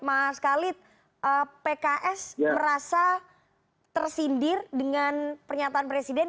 mas khalid pks merasa tersindir dengan pernyataan presiden